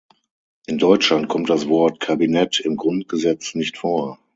In Deutschland kommt das Wort "Kabinett" im Grundgesetz nicht vor.